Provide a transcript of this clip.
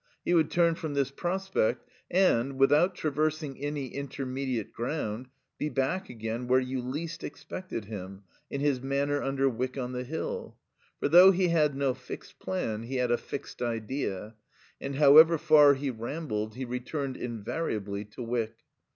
He would turn from this prospect and, without traversing any intermediate ground, be back again, where you least expected him, in his Manor under Wyck on the Hill. For though he had no fixed plan, he had a fixed idea, and however far he rambled he returned invariably to Wyck.